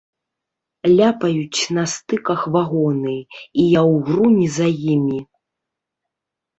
Ляпаюць на стыках вагоны, і я ўгрунь за імі.